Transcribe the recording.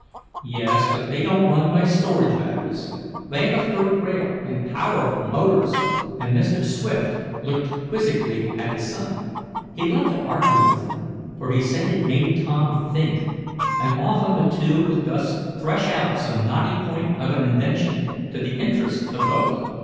"Yes, but they don't run by storage batteries. They have a third rail, and powerful motors," and Mr. Swift looked quizzically at his son. He loved to argue with him, for he said it made Tom think, and often the two would thus thresh out some knotty point of an invention, to the interests of both.